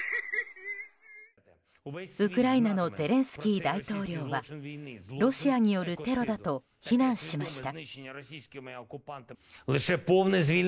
ウクライナのゼレンスキー大統領はロシアによるテロだと非難しました。